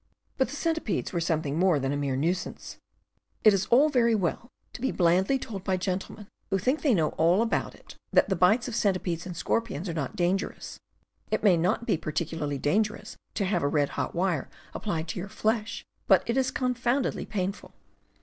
But the centipedes were something more than a mere nuisance. It is all very well to be blandly told by gentlemen who think they know all about it that the 178 CAMPING AND WOODCRAFT bites of centipedes and scorpions are not dangerous. It may not be particularly dangerous to have a red hot wire applied to your flesh, but it is confoundedly painful.